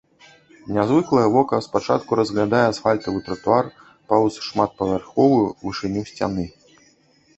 Нязвыклае вока спачатку разглядае асфальтавы тратуар паўз шматпавярховую вышыню сцяны.